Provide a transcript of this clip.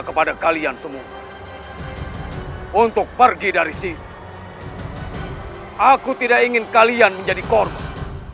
kepada kalian semua untuk pergi dari sini aku tidak ingin kalian menjadi korban